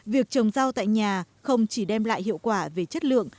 việc trồng rau tại nhà không chỉ đem lại hiệu quả về chất lượng